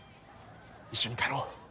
一緒に帰ろう。